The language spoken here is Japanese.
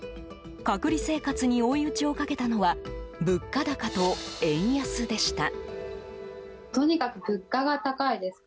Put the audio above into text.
隔離生活に追い打ちをかけたのは物価高と円安でした。